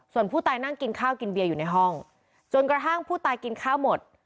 ส่วนผู้ตายนั่งกินข้าวกินเบียร์อยู่ในห้องจนกระทั่งผู้ตายกินข้าวหมด